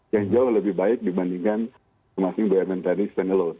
yang jauh lebih baik dibandingkan masing masing bumn tadi stand alot